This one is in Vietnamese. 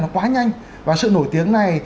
nó quá nhanh và sự nổi tiếng này